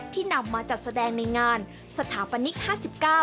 นำมาจัดแสดงในงานสถาปนิก๕๙